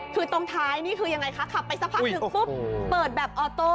คือตรงท้ายนี่คือยังไงคะขับไปสักพักหนึ่งปุ๊บเปิดแบบออโต้